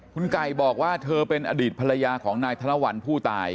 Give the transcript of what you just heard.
คุณไก่บอกว่าเธอเป็นอดีตภรรยาของนายธนวัลผู้ตาย